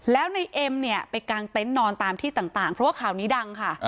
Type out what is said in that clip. แล้วในเอ็มเนี่ยไปกางเต็นต์นอนตามที่ต่างเพราะว่าข่าวนี้ดังค่ะ